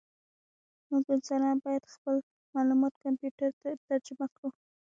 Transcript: موږ انسانان باید خپل معلومات کمپیوټر ته ترجمه کړو.